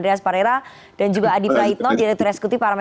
kepada fnd pdi perjuangan